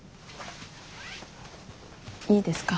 いいですか？